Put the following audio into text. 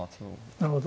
なるほど。